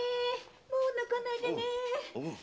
もう泣かないでね！